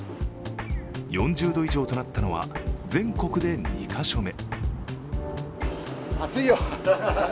４０度以上となったのは全国で２か所目。